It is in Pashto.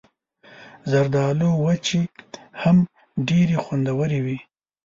زردالو وچې هم ډېرې خوندورې وي.